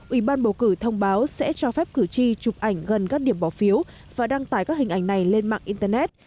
ủy ban bầu cử thông báo sẽ cho phép cử tri chụp ảnh gần các điểm bỏ phiếu và đăng tải các hình ảnh này lên mạng internet